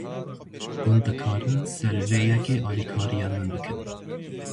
Hûn dikarin ser vê yekê alîkariya min bikin